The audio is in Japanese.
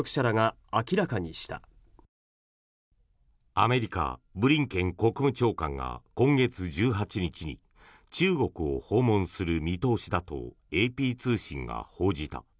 アメリカブリンケン国務長官が今月１８日に中国を訪問する見通しだとＡＰ通信が報じた。